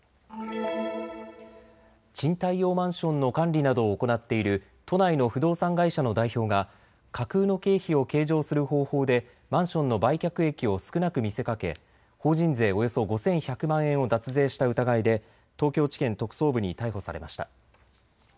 賃貸用マンションの管理などを行っている都内の不動産会社の代表が架空の経費を計上する方法でマンションの売却益を少なく見せかけ法人税およそ５１００万円を脱税した疑いで東京地検特捜部に逮捕されました。